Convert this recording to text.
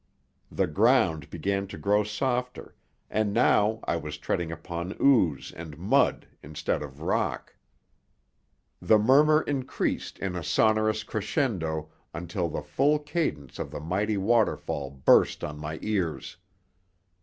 The ground began to grow softer, and now I was treading upon ooze and mud instead of rock. The murmur increased in a sonorous crescendo until the full cadence of the mighty waterfall burst on my ears.